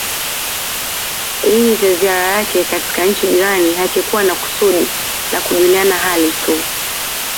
iini cha ziara zake katika nchi jirani hakikuwa na kusudi la kujuliana hali tu